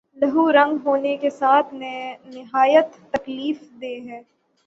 لہو رنگ ہونے کے ساتھ نہایت تکلیف دہ ہے